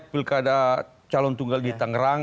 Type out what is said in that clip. pilkada calon tunggal di tangerang